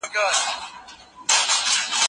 که محبت ونکړئ نو کرکه به زياته سي.